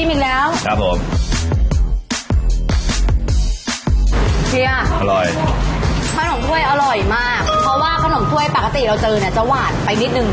อันนี้คือแบบกำลังพอดี